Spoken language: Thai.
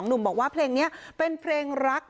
หนุ่มบอกว่าเพลงนี้เป็นเพลงรัก